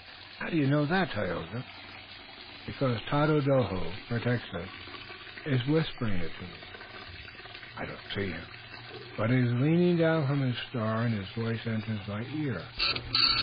"How do you know that, Tayoga?" "Because Tododaho, Tododaho who protects us, is whispering it to me. I do not see him, but he is leaning down from his star, and his voice enters my ear.